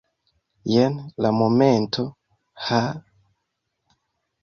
Jen la momento! Haa!